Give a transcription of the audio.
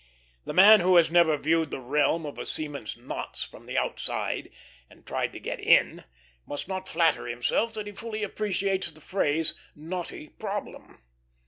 The man who has never viewed the realm of a seaman's knots from the outside, and tried to get in, must not flatter himself that he fully appreciates the phrase "knotty problem."